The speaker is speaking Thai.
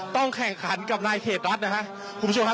ต้องแข่งขันกับนายเขตรัฐนะครับคุณผู้ชมครับ